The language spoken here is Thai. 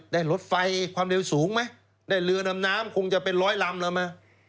ได้ลดไฟความเร็วสูงไหมได้เรือนำน้ำคงจะเป็น๑๐๐ลำ